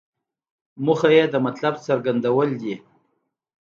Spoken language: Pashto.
موخه یې د مطلب څرګندول دي.